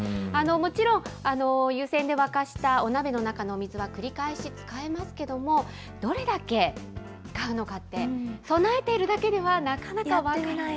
もちろん、湯煎で沸かしたお鍋の中のお水は繰り返し使えますけども、どれだけ使うのかって、備えているだけでは、なかなか分からない。